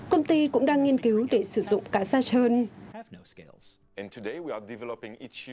công ty cũng đang nghiên cứu để sử dụng cá da trơn